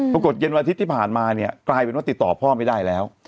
เย็นวันอาทิตย์ที่ผ่านมาเนี่ยกลายเป็นว่าติดต่อพ่อไม่ได้แล้ว